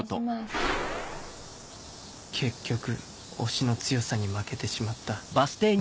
結局押しの強さに負けてしまった